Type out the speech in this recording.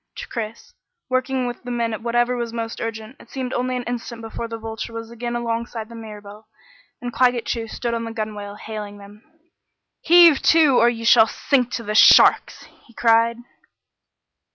To Chris, working with the men at whatever was most urgent, it seemed only an instant before the Vulture was again alongside the Mirabelle, and Claggett Chew stood on the gunwale hailing them. "Heave to, or you shall sink to the sharks!" he cried.